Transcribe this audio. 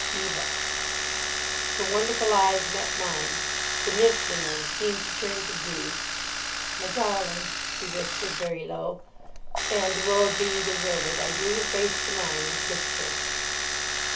"Eva." Her wonderful eyes met mine. The mist in them seemed to turn to dew. "My darling," she whispered, very low. And, the road being deserted, I drew her face to mine and kissed her.